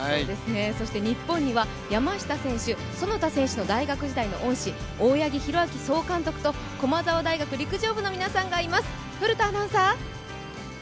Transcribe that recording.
そして日本には山下選手と其田選手の大学時代の恩師・大八木弘明総監督と駒澤大学陸上部の皆さんがいます。